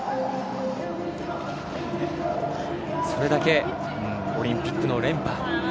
それだけオリンピックの連覇